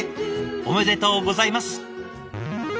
おめでとうございます。